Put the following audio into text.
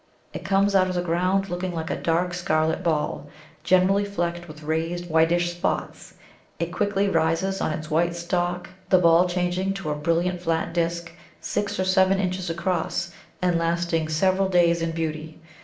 It comes out of the ground looking like a dark scarlet ball, generally flecked with raised whitish spots; it quickly rises on its white stalk, the ball changing to a brilliant flat disc, six or seven inches across, and lasting several days in beauty.